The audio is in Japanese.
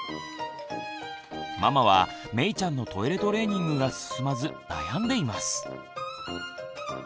ママはめいちゃんのトイレトレーニングが進まず悩んでいます。